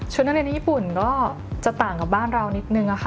นักเรียนญี่ปุ่นก็จะต่างกับบ้านเรานิดนึงค่ะ